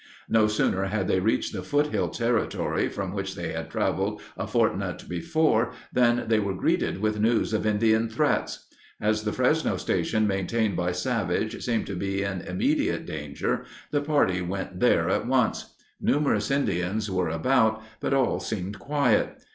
No sooner had they reached the foothill territory from which they had traveled a fortnight before than they were greeted with news of Indian threats. As the Fresno station maintained by Savage seemed to be in immediate danger, the party went there at once. Numerous Indians were about, but all seemed quiet.